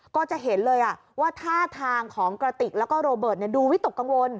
ก็จะเห็นเลยว่าท่าทางของกระติกแล้วก็โรเบิร์ตดูวิตกกังวล